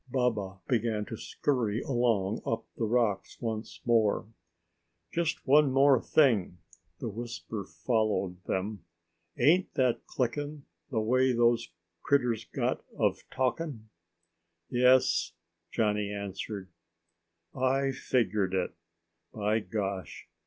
Baba began to scurry along up the rocks once more. "Just one thing more," the whisper followed them. "Ain't that clickin' the way those critters got of talking?" "Yes," Johnny answered. "I figgered it, by gosh!"